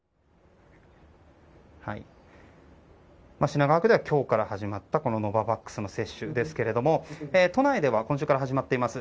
品川区では今日から始まったノババックスの接種ですけれども都内では今週から始まっています